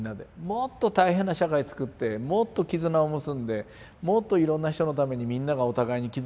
もっと大変な社会つくってもっと絆を結んでもっといろんな人のためにみんながお互いに傷ついて。